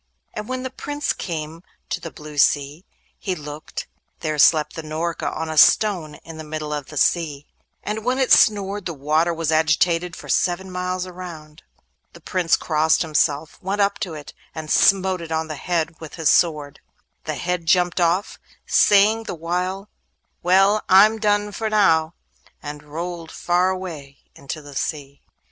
And when the Prince came to the blue sea, he looked—there slept the Norka on a stone in the middle of the sea; and when it snored, the water was agitated for seven miles around. The Prince crossed himself, went up to it, and smote it on the head with his sword. The head jumped off, saying the while, 'Well, I'm done for now!' and rolled far away into the sea.